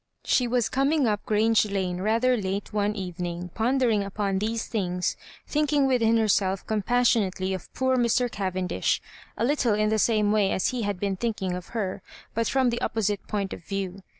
She was coming up Grange Lane rather late one evening, pondering upon these things — thinking within herself compassionately of poor Mr. Cavendish, a little in the same way as he had been thinking of her, but from the opposite point pf view.